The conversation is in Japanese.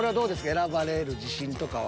選ばれる自信とかは。